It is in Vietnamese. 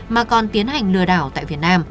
mà còn tiến hành lừa đảo tại việt nam